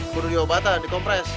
buru di obatan dikompres